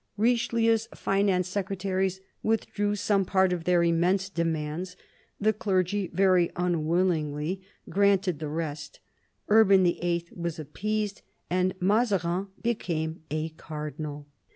Richelieu's Finance Secretaries withdrew some part of their im mense demands ; the clergy, very unwillingly, granted the rest ; Urban VIII. was appeased, and Mazarin became a Cardinal.